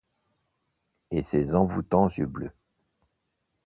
Et ses envoûtants yeux bleus.